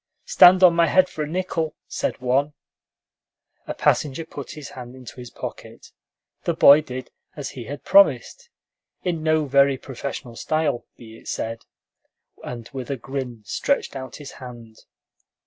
"Stand on my head for a nickel?" said one. A passenger put his hand into his pocket; the boy did as he had promised, in no very professional style, be it said, and with a grin stretched out his hand.